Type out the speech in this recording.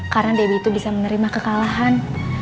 karena debbie itu bisa menerima kekalahan